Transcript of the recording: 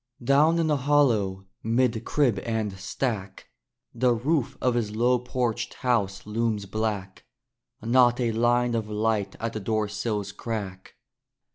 Down in the hollow, 'mid crib and stack, The roof of his low porched house looms black; Not a line of light at the door sill's crack.